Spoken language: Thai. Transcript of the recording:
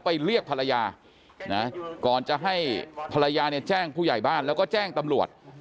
เรียกภรรยานะก่อนจะให้ภรรยาเนี่ยแจ้งผู้ใหญ่บ้านแล้วก็แจ้งตำรวจ